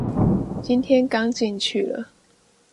今天剛進去了